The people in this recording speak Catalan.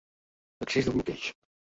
Excés de bloqueig.